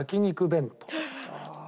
弁当。